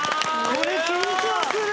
これ緊張する！